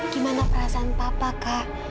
gimana perasaan papa kak